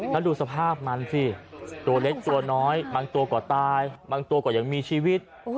แล้วดูสภาพมันสิตัวเล็กตัวน้อยบางตัวก็ตายบางตัวก็ยังมีชีวิต